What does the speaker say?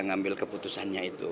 mengambil keputusannya itu